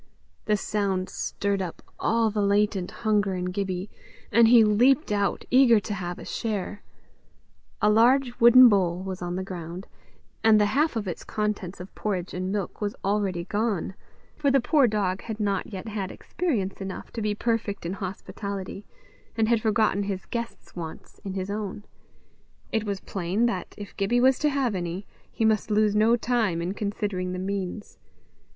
The sound stirred up all the latent hunger in Gibbie, and he leaped out, eager to have a share. A large wooden bowl was on the ground, and the half of its contents of porridge and milk was already gone; for the poor dog had not yet had experience enough to be perfect in hospitality, and had forgotten his guest's wants in his own: it was plain that, if Gibbie was to have any, he must lose no time in considering the means.